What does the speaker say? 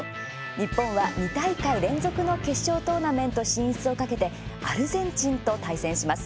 日本は２大会連続の決勝トーナメント進出を懸けてアルゼンチンと対戦します。